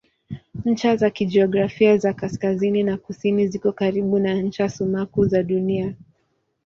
Ncha za kijiografia za kaskazini na kusini ziko karibu na ncha sumaku za Dunia.